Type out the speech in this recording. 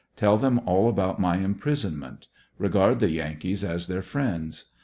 Tell them all about my imprisonment. Regard the Yankees as their friends